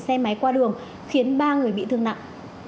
xe máy qua đường khiến ba người bị thương nặng